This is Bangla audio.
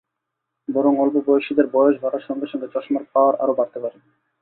বরং অল্প বয়সীদের বয়স বাড়ার সঙ্গে সঙ্গে চশমার পাওয়ার আরও বাড়তে পারে।